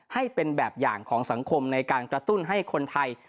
ให้เป็นแบบอย่างของสังคมในการกระตุ้นให้คนไทย